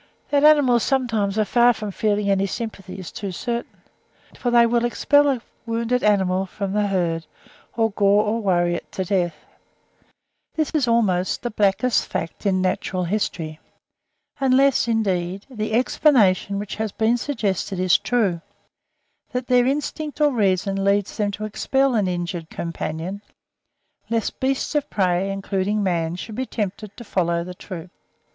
That animals sometimes are far from feeling any sympathy is too certain; for they will expel a wounded animal from the herd, or gore or worry it to death. This is almost the blackest fact in natural history, unless, indeed, the explanation which has been suggested is true, that their instinct or reason leads them to expel an injured companion, lest beasts of prey, including man, should be tempted to follow the troop.